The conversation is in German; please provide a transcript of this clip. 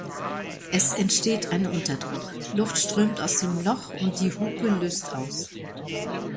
Es entsteht ein Unterdruck, Luft strömt aus dem Loch und die Hupe löst aus.